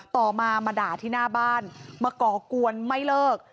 ต่อมามาด่าที่หน้าบ้านมาก่อกวนไม่เลิก